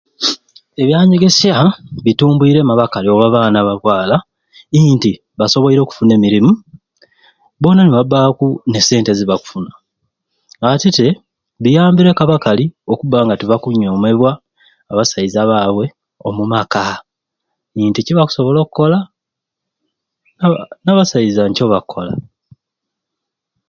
Ebyanyegesya bitumbwire abakali oba abaana babwala nti basoboire okufuna emirumu bona nebabaaku ne sente zebakufuna ate te biyambireku abakali okuba nga tebakunyomebwa abasaiza baabwe omu maka nti kyebakusobola okola aba abasaiza nikyo bakola